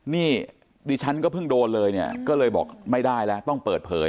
นี่ดิฉันก็เพิ่งโดนเลยเนี่ยก็เลยบอกไม่ได้แล้วต้องเปิดเผย